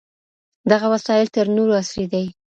دغه وسايل تر نورو عصري دي.